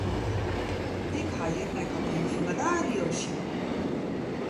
Ik ha hjir ek al ien fan de radio sjoen.